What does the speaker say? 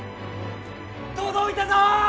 届いたぞ！